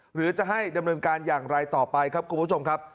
หรือจะให้ดำเนินการอย่างไรต่อไปครับคุณผู้ชมครับ